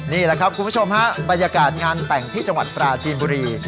นี่แหละครับคุณผู้ชมฮะบรรยากาศงานแต่งที่จังหวัดปราจีนบุรี